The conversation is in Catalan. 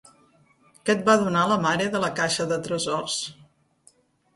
Què et va donar la mare de la caixa de tresors?